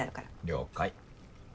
了解。